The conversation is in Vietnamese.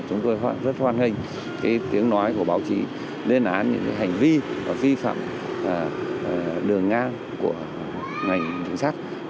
chúng tôi rất hoan nghênh tiếng nói của báo chí lên án những hành vi và vi phạm đường ngang của ngành đường sắt